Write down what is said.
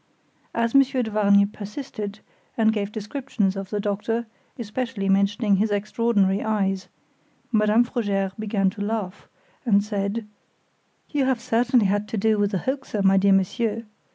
As Monsieur de Vargnes persisted, and gave descriptions of the doctor, especially mentioning his extraordinary eyes, Madame Frogère began to laugh, and said: "You have certainly had to do with a hoaxer, my dear monsieur.